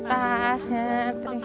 masih dibawa dalam dewach